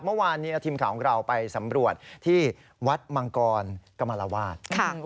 เมื่อวานนี้ทีมข่าวของเราไปสำรวจที่วัดมังกรกรรมราวาส